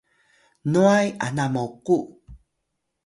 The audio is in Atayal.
nway ana moqu